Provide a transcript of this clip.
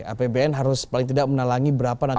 apbn harus paling tidak menalangi berapa nanti